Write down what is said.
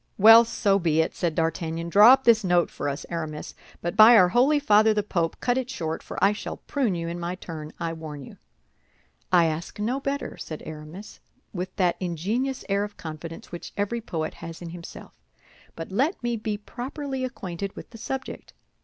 "Well, so be it," said D'Artagnan. "Draw up this note for us, Aramis; but by our Holy Father the Pope, cut it short, for I shall prune you in my turn, I warn you." "I ask no better," said Aramis, with that ingenious air of confidence which every poet has in himself; "but let me be properly acquainted with the subject.